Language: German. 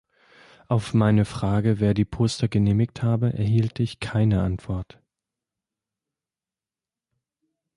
Auf meine Frage, wer die Poster genehmigt habe, erhielt ich keine Antwort.